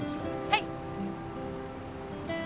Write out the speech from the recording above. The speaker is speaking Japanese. はい。